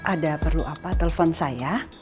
ada perlu apa telpon saya